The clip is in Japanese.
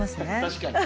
確かに。